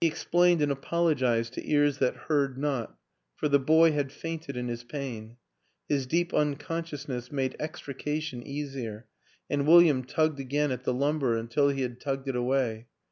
He explained and apologized to ears that heard not for the boy had fainted in his pain; his deep unconsciousness made extrication easier and Wil liam tugged again at the lumber until he had tugged it away.